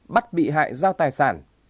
bắt bị hại giao tài sản